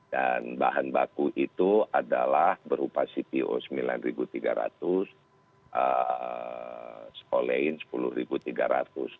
dan bahan baku itu adalah berupa cpo sembilan ribu tiga ratus olehin sepuluh ribu tiga ratus